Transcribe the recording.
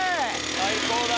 最高だ。